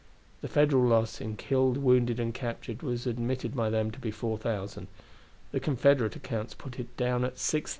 The Federal loss in killed, wounded and captured was admitted by them to be 4,000; the Confederate accounts put it down at 6,000.